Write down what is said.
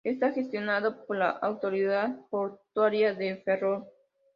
Está gestionado por la autoridad portuaria de Ferrol.